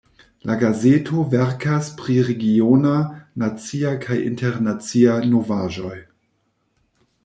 La gazeto verkas pri regiona, nacia kaj internacia novaĵoj.